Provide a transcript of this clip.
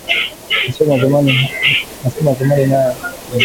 Masomo ya zamani naya sasa inaachana